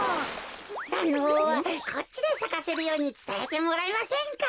あのこっちでさかせるようにつたえてもらえませんか？